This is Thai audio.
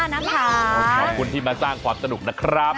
ขอบคุณที่มาสร้างความสนุกนะครับ